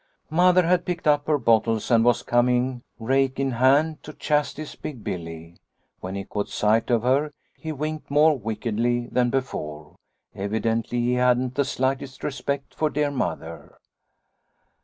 " Mother had picked up her bottles and was coming, rake in hand, to chastise Big Billy. When he caught sight of her he winked more wickedly than before ; evidently he hadn't the slightest respect for dear Mother.